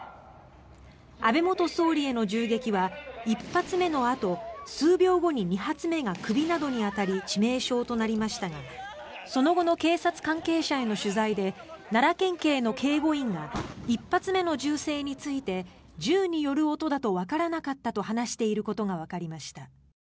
安倍元総理への銃撃は１発目のあと、数秒後に２発目が首などに当たり致命傷となりましたがその後の警察関係者への取材で奈良県警の警護員が１発目の銃声について銃による音だとわからなかったと話していることがわかりました。